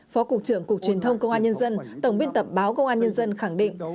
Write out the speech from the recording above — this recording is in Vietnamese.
phó cục trưởng cục truyền thông công an nhân dân tổng biên tập báo công an nhân dân khẳng định